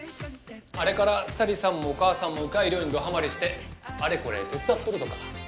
あれから咲里さんもお母さんも鵜飼い漁にどハマりしてあれこれ手伝っとるとか。